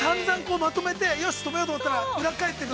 ◆まとめて、よし、止めようと思ったら、裏ね。